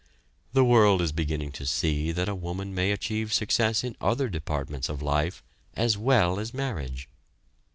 The world is beginning to see that a woman may achieve success in other departments of life as well as marriage.